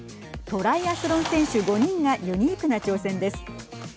トライアスロン選手５人がユニークな挑戦です。